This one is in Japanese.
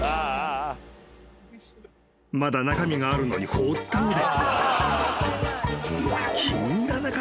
［まだ中身があるのに放ったので］